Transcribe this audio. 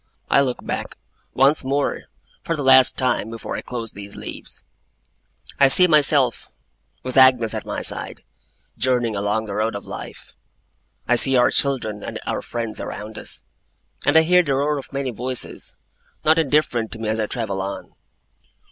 I look back, once more for the last time before I close these leaves. I see myself, with Agnes at my side, journeying along the road of life. I see our children and our friends around us; and I hear the roar of many voices, not indifferent to me as I travel on.